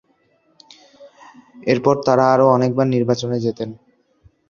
এরপর তারা আরও অনেকবার নির্বাচনে জেতেন।